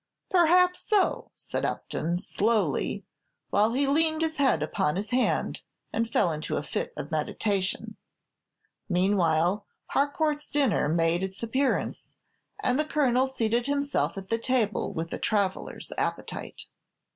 "Perhaps so," said Upton, slowly, while he leaned his head upon his hand, and fell into a fit of meditation. Meanwhile, Harcourt's dinner made its appearance, and the Colonel seated himself at the table with a traveller's appetite.